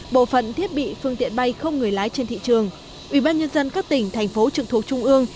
bộ phận thiết bị phương tiện bay không người lái trên thị trường